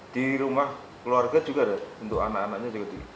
di rumah keluarga juga ada untuk anak anaknya juga tinggi